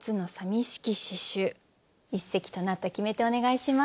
一席となった決め手お願いします。